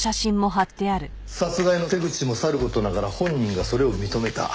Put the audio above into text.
殺害の手口もさる事ながら本人がそれを認めた。